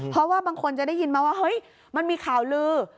เพราะว่าบางคนจะได้ยินมาว่าเฮ้ยมันมีข่าวลือ